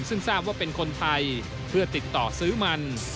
ซึ่งทราบว่าเป็นคนไทยเพื่อติดต่อซื้อมัน